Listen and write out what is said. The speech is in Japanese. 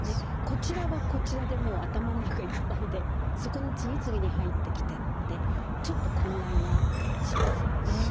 こちらはこちらでもう頭の中いっぱいでそこに次々に入ってきてってちょっと混乱はしますよね。